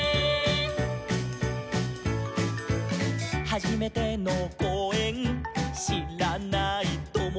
「はじめてのこうえんしらないともだち」